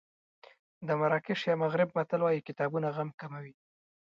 د مراکش یا مغرب متل وایي کتابونه غم کموي.